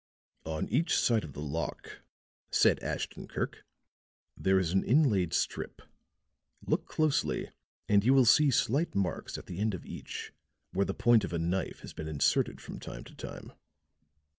"On each side of the lock," said Ashton Kirk, "there is an inlaid strip. Look closely and you will see slight marks at the ends of each where the point of a knife has been inserted from time to time."